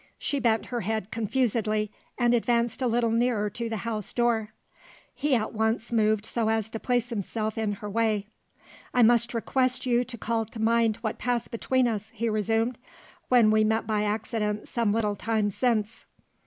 She bent her head confusedly, and advanced a little nearer to the house door. He at once moved so as to place himself in her way. "I must request you to call to mind what passed between us," he resumed, "when we met by accident some little time since."